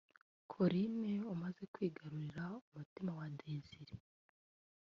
Collins umaze kwigarurira umutima wa Desire